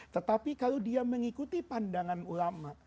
tetapi kalau dia mengikuti pandangan ulama